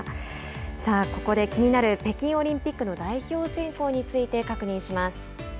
さあここで気になる北京オリンピックの代表選考について確認します。